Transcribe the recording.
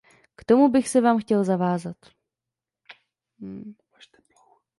K tomu bych se vám chtěl zavázat.